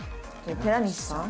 寺西さん？